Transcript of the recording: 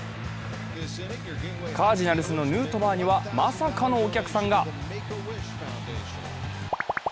カージナルスのヌートバーにはまさかのお客さんが。